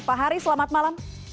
pak harry selamat malam